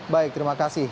baik terima kasih